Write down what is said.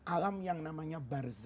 alam yang namanya barzah